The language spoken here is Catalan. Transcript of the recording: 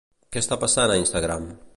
Què està passant a Instagram?